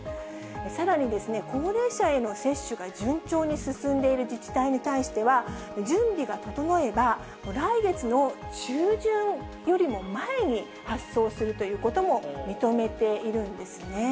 さらにですね、高齢者への接種が順調に進んでいる自治体に対しては、準備が整えば、来月の中旬よりも前に発送するということも認めているんですね。